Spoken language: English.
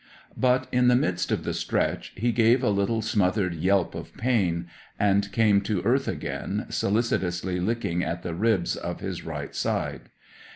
But, in the midst of the stretch, he gave a little smothered yelp of pain, and came to earth again, solicitously licking at the ribs of his right side.